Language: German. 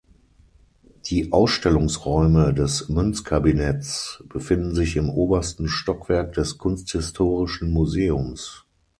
Die Ausstellungsräume des Münzkabinetts befinden sich im obersten Stockwerk des Kunsthistorischen Museums.